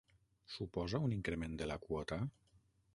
Suposa un increment de la quota?